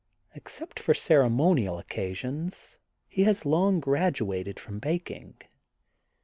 Except for ceremonial occasions he has long graduated from baking.